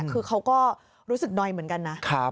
คือเขาก็รู้สึกน้อยเหมือนกันนะ